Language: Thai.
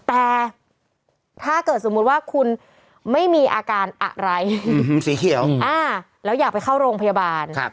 แต่ถ้าเกิดสมมุติว่าคุณไม่มีอาการอะไรสีเขียวแล้วอยากไปเข้าโรงพยาบาล